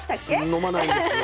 飲まないです。